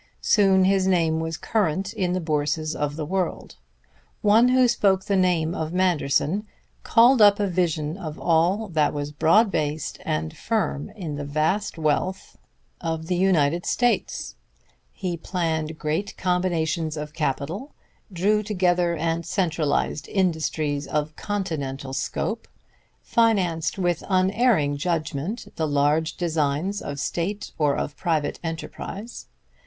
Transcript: Soon his name was current in the bourses of the world. One who spoke the name of Manderson called up a vision of all that was broad based and firm in the vast wealth of the United States. He planned great combinations of capital, drew together and centralized industries of continental scope, financed with unerring judgment the large designs of state or of private enterprise.